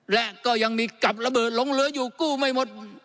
และก็ยังมีกับระเบิดหลงเหลืออยู่กู้ไม่หมด